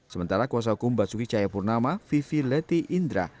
sementara kuasa hukum basuki cahaya purnama vivi leti indra